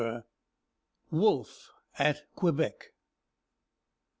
LVI. WOLFE AT QUEBEC.